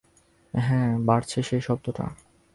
হ্যাঁ, বাড়ছে সেই শব্দটা!